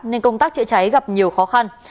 nên công tác chữa cháy gặp nhiều khó khăn